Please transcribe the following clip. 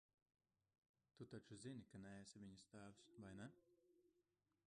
Tu taču zini, ka neesi viņas tēvs, vai ne?